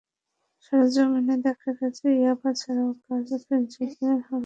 সরেজমিনে দেখা গেছে, ইয়াবা ছাড়াও গাঁজা, ফেনসিডিল, হেরোইন—এসব মাদক এখানে খুব সহজেই মেলে।